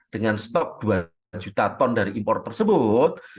dengan stok dua juta ton dari impor tersebut